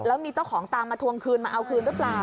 แล้วมีเจ้าของตามมาทวงคืนมาเอาคืนหรือเปล่า